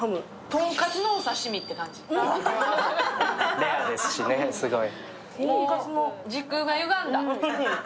レアですしね、すごい。